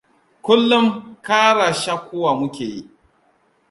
Kullum kara shakuwa mu ke.